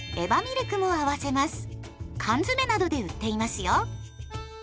缶詰などで売っていますよ。